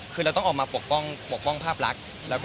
คือเราต้องออกมาปกป้องภาพลักษณ์